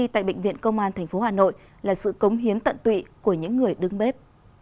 tại bệnh viện công an tp hà nội là sự cống hiến tận tụy của những người đứng bếp